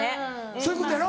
そういうことやろ。